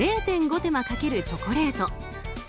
手間かけるチョコレート。